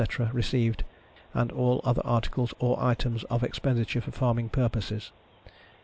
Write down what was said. received; and all other articles or items, of expenditure for farming purposes.